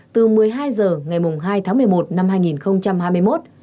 từ một mươi hai h ngày hai tháng một mươi một năm hai nghìn hai mươi một